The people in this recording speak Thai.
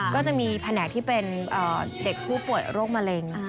ก็จะมีแผนกที่เป็นเด็กผู้ป่วยโรคมะเร็ง